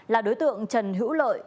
là đối tượng trần hữu lợi